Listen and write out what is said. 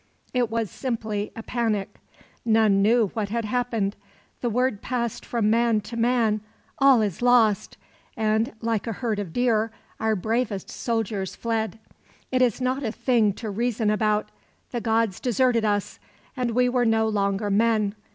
It was simply a panic. None knew what had happened. The word passed from man to man, 'All is lost!' and, like a herd of deer, our bravest soldiers fled. It is not a thing to reason about the gods deserted us, and we were no longer men.